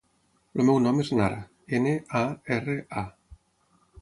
El meu nom és Nara: ena, a, erra, a.